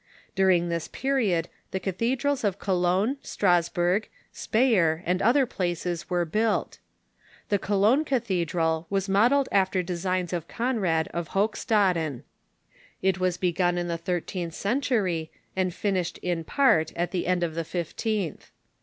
Dui'ing this period the cathedrals of Cologne, Strasburg, Speyer, and other places were built. The Cologne cathedral was modelled after designs of Conrad of Hochstaden. It was begun in the thir teenth century and finished in part at the end of the fifteenth.